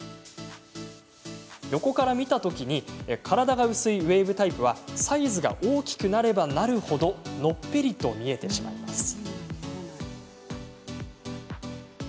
横から見たときに体が薄いウエーブタイプはサイズが大きくなればなるほどのっぺりと見えてしまいます。